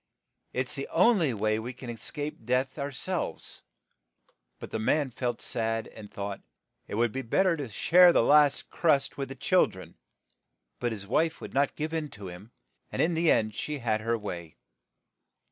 It is the only way we can es cape death our selves. " HANSEL AND GRETHEL But the man felt sad, and thought, "It would be bet ter to share the last crust with the chil dren." But his wife would not give in to him, and in the end she had her way.